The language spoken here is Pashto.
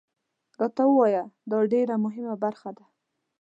راته ووایه، دا ډېره مهمه خبره ده.